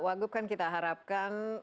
wagup kan kita harapkan